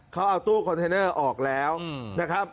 เขาเอาตู้คอนเทนเนอร์ออกแล้วนะครับ